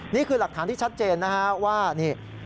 นี่คือหลักฐานที่ชัดเจนนะฮะว่านี่